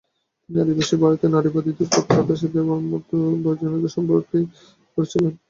তিনি আদিবাসী ভারতীয় নারীবাদীদের পথ বাতলে দেওয়ার প্রয়োজনীয়তা সম্পর্কে অনুধাবন করেছিলেন।